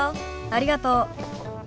ありがとう。